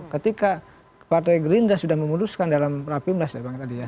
ketika partai gerindra sudah memutuskan dalam rapimnas ya bang tadi ya